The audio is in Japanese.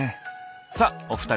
さあお二人。